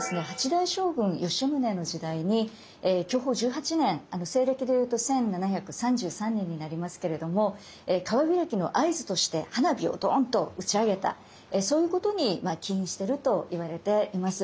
８代将軍吉宗の時代に享保１８年西暦でいうと１７３３年になりますけれども川開きの合図として花火をドーンと打ち上げたそういうことに起因しているといわれています。